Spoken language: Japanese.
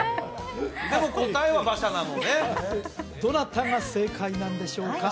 でも答えは馬車なのねどなたが正解なんでしょうか？